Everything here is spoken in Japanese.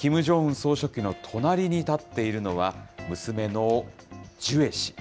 総書記の隣に立っているのは、娘のジュエ氏。